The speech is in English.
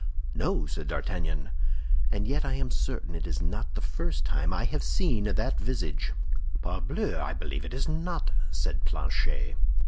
"No," said D'Artagnan, "and yet I am certain it is not the first time I have seen that visage." "Parbleu, I believe it is not," said Planchet.